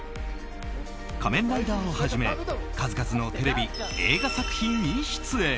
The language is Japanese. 「仮面ライダー」をはじめ数々のテレビ、映画作品に出演。